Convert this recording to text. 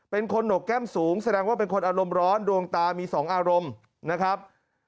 เป็นคนหนกแก้มสูงแสดงว่าเป็นคนอารมณ์ร้อนดวงตามี๒อารมณ์นะครับ